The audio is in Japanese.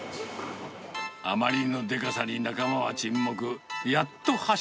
あまりのでかさに仲間は沈黙。